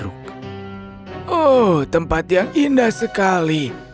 oh tempat yang indah sekali